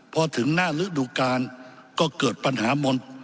พอถึงหน้าฤดูกาลก็เกิดปัญหามนต์